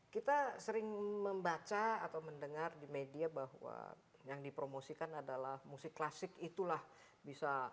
kita sering membaca atau mendengar di media bahwa yang dipromosikan adalah musik klasik itulah bisa